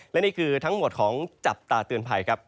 และนี่คือทั้งหมดของจับตาเตือนภัยครับ